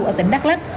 ở tỉnh đắk lắk